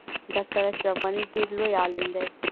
ډاکټر اشرف غنی ډیر لوی عالم دی